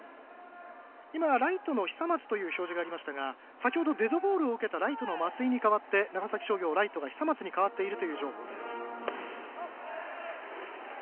今、ライトの久松という表示がありましたが先ほどデッドボールを受けたライトの松井に代わって長崎商業、ライトが久松に代わっているという情報です。